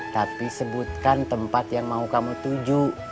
tapi sebutkan tempat yang mau kamu tuju